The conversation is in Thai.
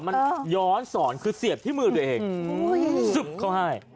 มันย้อนสอนคือเสียบที่มือตัวเองสึบเขาให้